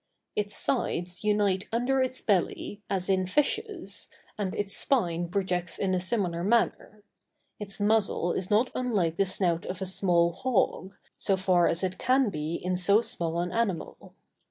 Its sides unite under its belly, as in fishes, and its spine projects in a similar manner. Its muzzle is not unlike the snout of a small hog, so far as it can be in so small an animal.